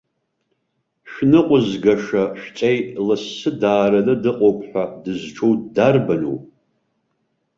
Шәныҟәызгаша шәҵеи лассы даараны дыҟоуп ҳәа дызҿу дарбану?